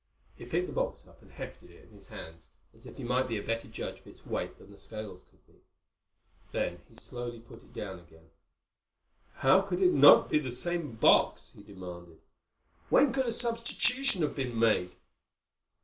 He picked the box up and hefted it in his hands, as if he might be a better judge of its weight than the scales could be. Then he put it slowly down again. "How could it not be the same box?" he demanded. "When could a substitution have been made?"